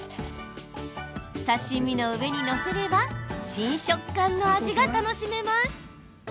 刺身の上に載せれば新食感の味が楽しめます。